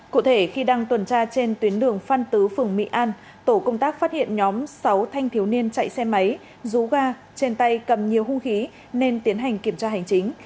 cụ thể khi đang tuần tra trên tuyến đường phan tứ phường mỹ an tổ công tác phát hiện nhóm sáu thanh thiếu niên chạy xe máy rú ga trên tay cầm nhiều hung khí nên tiến hành kiểm tra hành chính